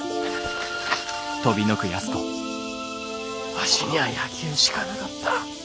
わしにゃあ野球しかなかった。